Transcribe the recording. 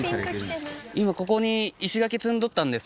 今ここに石垣積んどったんですよ。